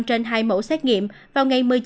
trên hai mẫu xét nghiệm vào ngày một mươi chín